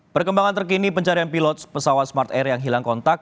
perkembangan terkini pencarian pilot pesawat smart air yang hilang kontak